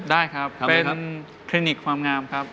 ได้ครับเป็นคลินิกความงามครับ